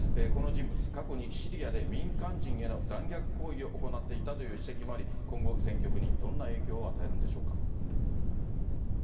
この人物、過去にシリアで民間人への残虐行為を行っていたという指摘もあり、今後、戦局にどんな影響を与えるんでしょうか。